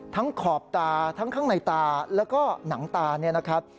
ขอบตาทั้งข้างในตาแล้วก็หนังตาเนี่ยนะครับ